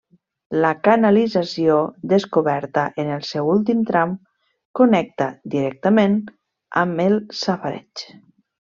La canalització, descoberta en el seu últim tram, connecta directament amb el safareig.